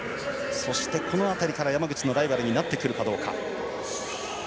そして、この辺りから山口のライバルになってくるかどうか。